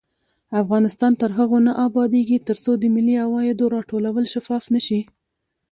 افغانستان تر هغو نه ابادیږي، ترڅو د ملي عوایدو راټولول شفاف نشي.